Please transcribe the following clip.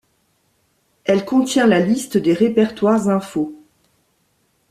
Elle contient la liste des répertoires info.